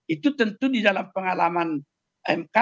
itu tentu di dalam pengalaman mk